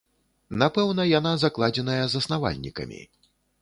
Напэўна, яна закладзеная заснавальнікамі.